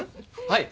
はい。